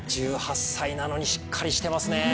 １８歳なのにしっかりしていますね。